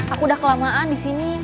aku udah kelamaan di sini